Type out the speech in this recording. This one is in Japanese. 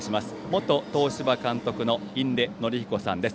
元東芝監督の印出順彦さんです。